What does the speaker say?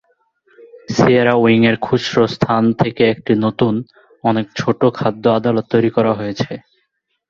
Sierra উইংয়ের খুচরো স্থান থেকে একটি নতুন, অনেক ছোট খাদ্য আদালত তৈরি করা হয়েছে।